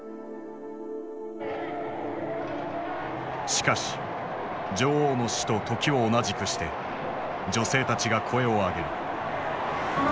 しかし女王の死と時を同じくして女性たちが声を上げる。